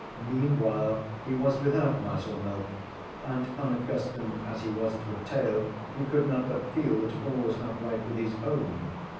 Meanwhile he was without mice or milk, and, unaccustomed as he was to a tail, he could not but feel that all was not right with his own.